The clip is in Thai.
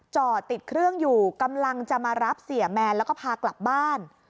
จอดติดเครื่องอยู่กำลังจะมารับเสียแมนแล้วก็พากลับบ้าน